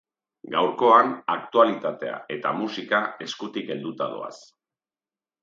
Gaurkoan aktualitatea eta musika eskutik helduta doaz.